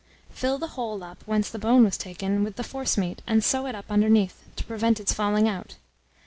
Fill the hole up whence the bone was taken, with the forcemeat, and sew it up underneath, to prevent its falling out.